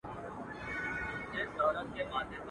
د نیکه ږغ.